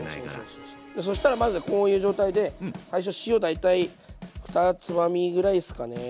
そしたらまずこういう状態で最初塩大体２つまみぐらいですかね。